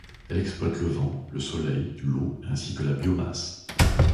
Elle exploite le vent, le soleil, l'eau, ainsi que la biomasse.